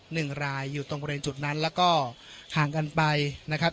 หนึ่งรายอยู่ตรงบริเวณจุดนั้นแล้วก็ห่างกันไปนะครับ